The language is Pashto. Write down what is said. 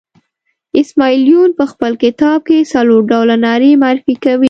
اسماعیل یون په خپل کتاب کې څلور ډوله نارې معرفي کوي.